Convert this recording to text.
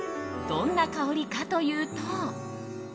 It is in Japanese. どんな香りかというと。